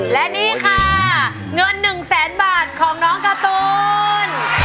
และนี่ค่ะเงิน๑แสนบาทของน้องการ์ตูน